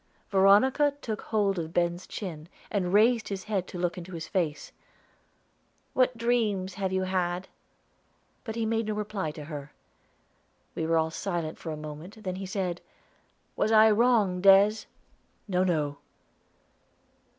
Veronica took hold of Ben's chin and raised his head to look into his face. "What dreams have you had?" But he made no reply to her. We were all silent for a moment, then he said, "Was I wrong, Des.?" "No, no."